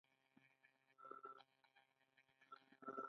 آیا ایران له هند سره ښه اړیکې نلري؟